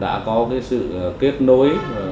đã có cái sự kết nối